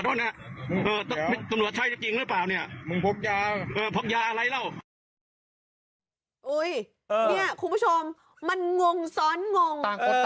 เดี่ยวก่อนน่ะอยากรู้ว่าสมมติ